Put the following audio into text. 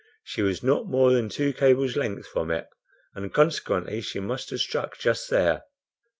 She was not more than two cables' length from it and consequently she must have struck just there."